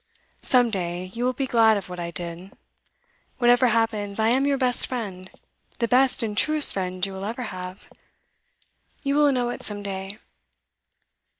'Some day you will be glad of what I did. Whatever happens, I am your best friend the best and truest friend you will ever have. You will know it some day.